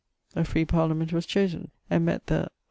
A free Parliament was chosen, and mett the